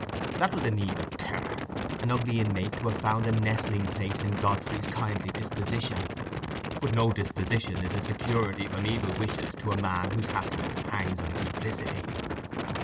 That was an evil terror—an ugly inmate to have found a nestling place in Godfrey's kindly disposition; but no disposition is a security from evil wishes to a man whose happiness hangs on duplicity.